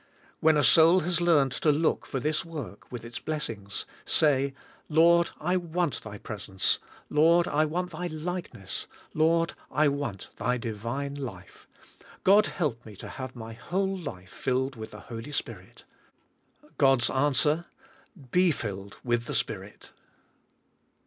When a soul has learned to look for this work with its blessing s, say, "Lord, I want Thy presence, Lord, I want Thy likeness, Lord, I want Thy divine life, God help me to have my whole life filled with the Holy Spirit." God's answer: "Be filled with the Spirit."